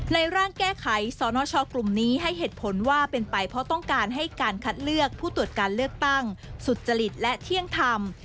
ร่างแก้ไขสนชกลุ่มนี้ให้เหตุผลว่าเป็นไปเพราะต้องการให้การคัดเลือกผู้ตรวจการเลือกตั้งสุจริตและเที่ยงธรรม